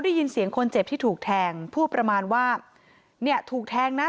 ได้ยินเสียงคนเจ็บที่ถูกแทงพูดประมาณว่าเนี่ยถูกแทงนะ